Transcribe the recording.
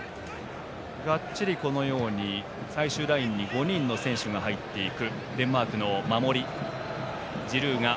がっちり最終ラインに５人の選手が入っていくデンマークの守り。